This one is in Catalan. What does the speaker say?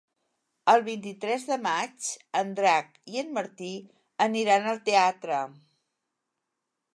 El vint-i-tres de maig en Drac i en Martí aniran al teatre.